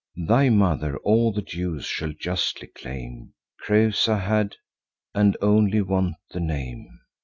Thy mother all the dues shall justly claim, Creusa had, and only want the name.